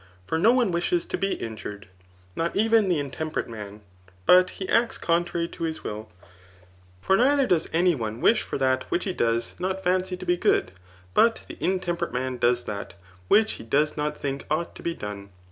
For po one wishes to be injured, not even the intemperate man ; but be acts contrary to his wilL For neither does any one wish for that which he does not fancy to be good } but the intemperate man does that, which he does not think ought to be done.